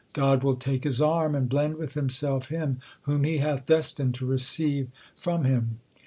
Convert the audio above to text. God will take his arm and blend with Himself him whom He hath destined to receive from Him.